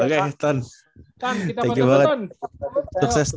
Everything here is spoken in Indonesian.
ya kan kemungkinan besar sih ke tim ungu soalnya